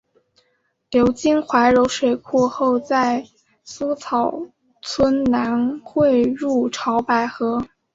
流经怀柔水库后在梭草村南汇入潮白河。